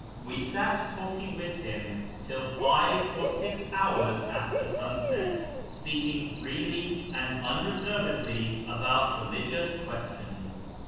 We sat talking with him till five or six hours after sunset, speaking freely and unreservedly about religious questions.